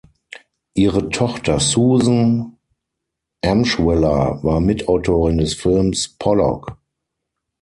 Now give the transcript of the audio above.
Ihre Tochter Susan Emshwiller war Mitautorin des Films Pollock.